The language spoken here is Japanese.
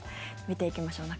見ていきましょう。